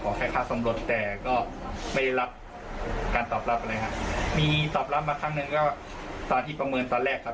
แค่ค่าสมรสแต่ก็ไม่ได้รับการตอบรับอะไรครับมีตอบรับมาครั้งหนึ่งก็ตอนที่ประเมินตอนแรกครับ